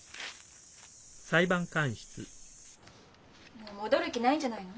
もう戻る気ないんじゃないの？